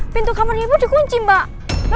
pintu kamar ibu dikunci mbak